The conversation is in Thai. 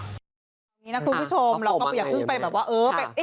อันนี้นักผู้ชมเราก็อยากตื่นไปแบบว่าเออ